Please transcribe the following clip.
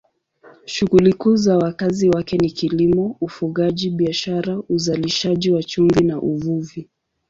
Shughuli kuu za wakazi wake ni kilimo, ufugaji, biashara, uzalishaji wa chumvi na uvuvi.